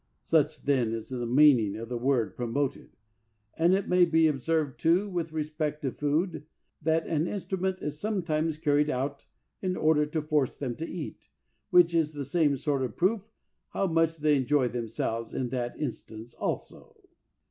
Such, then, is the mean ing of the word "promoted"; and it may be observed, too, with respect to food, that an in strument is sometimes carried out in order to force them to eat, which is the same sort of proof how much they enjoy themselves in that instance also.